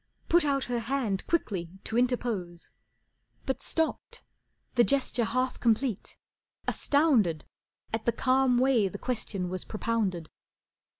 Put out her hand quickly to interpose, But stopped, the gesture half complete, astounded At the calm way the question was propounded.